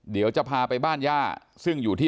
เดี๋ยวจะพาไปบ้านย่าซึ่งอยู่ที่